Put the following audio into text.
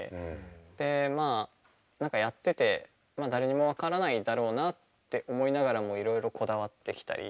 でまあ何かやってて誰にも分からないだろうなって思いながらもいろいろこだわってきたり。